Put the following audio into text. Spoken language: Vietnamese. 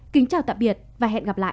kính chào tạm biệt và hẹn gặp lại